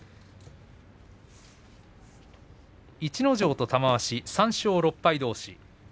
逸ノ城と玉鷲、３勝６敗どうし。